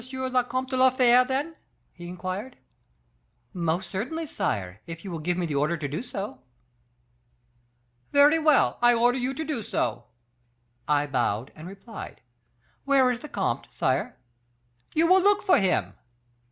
le Comte de la Fere, then?' he inquired. "'Most certainly, sire, if you give me the order to do so.' "'Very well; I order you to do so.' "I bowed, and replied, 'Where is the comte, sire?' "'You will look for him.